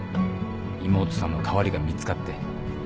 妹さんの代わりが見つかって。